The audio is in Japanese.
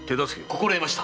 心得ました。